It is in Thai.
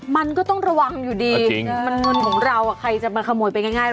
อโมยเป็นง่ายเราก็ไม่ยอมอยู่แล้วนะ